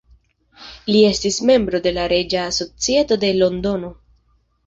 Li estis membro de la Reĝa Societo de Londono.